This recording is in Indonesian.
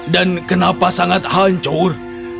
dan kenapa sangat hancur